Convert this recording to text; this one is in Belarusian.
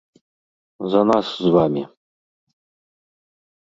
За нас з вамі.